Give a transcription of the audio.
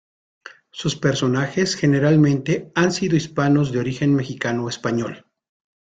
Sus personajes, generalmente, han sido hispanos de origen mexicano o español.